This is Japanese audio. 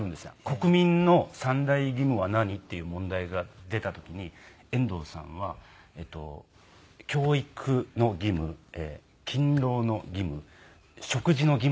「国民の三大義務は何？」っていう問題が出た時に遠藤さんは「教育の義務勤労の義務食事の義務」って答えたんです。